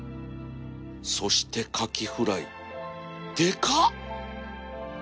そしてカキフライでかっ！